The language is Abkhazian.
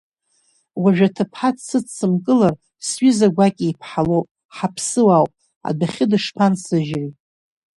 Уажәы аҭыԥҳа дсыдсымкылар, сҩыза гәакьа иԥҳа лоуп, ҳаԥсуаауп, адәахьы дышԥансыжьри?